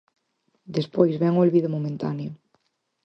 Despois ven o olvido momentáneo.